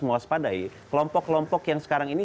mewaspadai kelompok kelompok yang sekarang ini